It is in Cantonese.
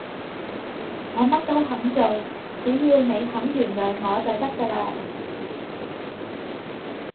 我乜都肯做，只要你肯原諒我就得㗎喇